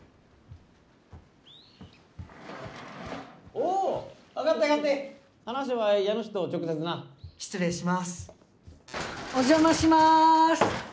・おぉ上がって上がって・・話は家主と直接な・・失礼します・お邪魔します！